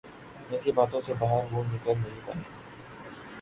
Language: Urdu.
ایسی باتوں سے باہر وہ نکل نہیں پاتے۔